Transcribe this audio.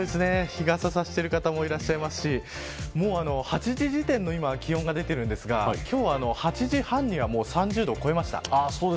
日傘さしている方もいらっしゃいますし８時時点の気温が８時半には３０度超えました。